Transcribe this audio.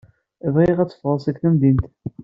Bɣiɣ ad teffɣeḍ seg temdint.